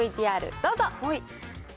ＶＴＲどうぞ。